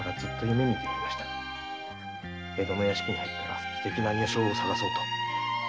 江戸の屋敷に入ったら粋な女性を捜そうと。